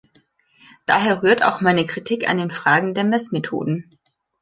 Daher rührt auch meine Kritik an den Fragen der Meßmethoden.